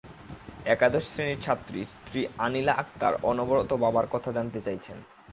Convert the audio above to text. একাদশ শ্রেণীর ছাত্রী স্ত্রী আনিলা আক্তার অনবরত বাবার কথা জানতে চাইছেন।